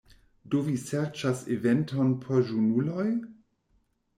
Do vi serĉas eventon por junuloj?